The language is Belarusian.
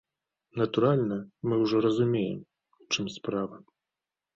Натуральна, мы ўжо разумеем, у чым справа.